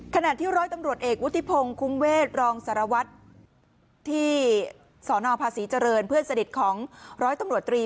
ขณะที่ร้อยตำรวจเอกวุฒิพงศ์คุ้มเวทรองสารวัตรที่สนภาษีเจริญเพื่อนสนิทของร้อยตำรวจตรี